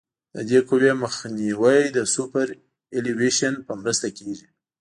د دې قوې مخنیوی د سوپرایلیویشن په مرسته کیږي